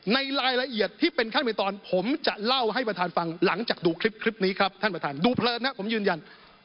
ในรายละเอียดที่เป็นขั้นในตอนผมจะเล่าให้ประธานฟังหลังจากดูคลิปนี้ครับท่านประธานดูเพลินนะครับผมยืนยัน